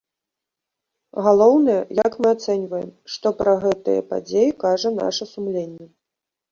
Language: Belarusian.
Галоўнае, як мы ацэньваем, што пра гэтыя падзеі кажа наша сумленне.